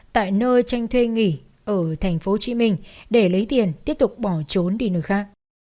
tại nơi tranh thuê nghỉ ở tp hcm để lấy tiền tiếp tục bỏ trốn đi nơi khác